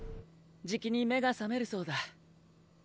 じきに目が覚めるそうだ。